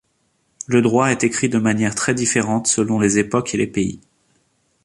Le droit est écrit de manière très différente selon les époques et les pays.